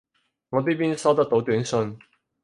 我呢邊收得到短信